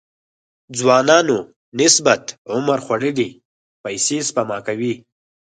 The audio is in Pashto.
ځوانانو نسبت عمر خوړلي پيسې سپما کوي.